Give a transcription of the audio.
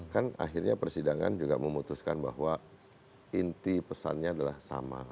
kan akhirnya persidangan juga memutuskan bahwa inti pesannya adalah sama